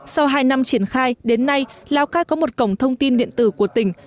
sau hai năm triển khai đến nay lào cai có một cổng thông tin điện tử của tỉnh